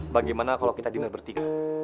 bagaimana kalau kita dinar bertiga